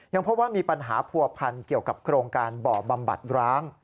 พบว่ามีปัญหาผัวพันเกี่ยวกับโครงการบ่อบำบัดร้าง